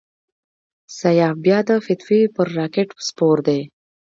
سیاف بیا د فتوی پر راکېټ سپور دی.